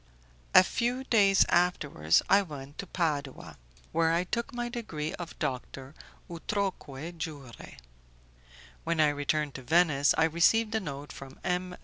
A few days afterwards I went to Padua, where I took my degree of doctor 'utroque jure'. When I returned to Venice, I received a note from M.